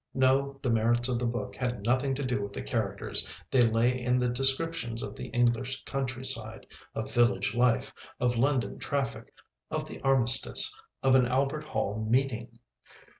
No, the merits of the book had nothing to do with the characters, they lay in the descriptions of the English countryside, of village life, of London traffic, of the Armistice, of an Albert Hall meeting.